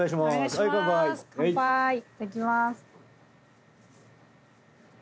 いただきます。